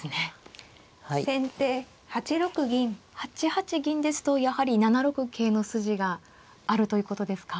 ８八銀ですとやはり７六桂の筋があるということですか。